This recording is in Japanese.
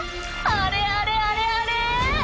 あれあれあれあれ？